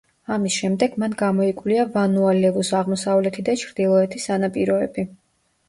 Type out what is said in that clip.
ამის შემდეგ მან გამოიკვლია ვანუა-ლევუს აღმოსავლეთი და ჩრდილოეთი სანაპიროები.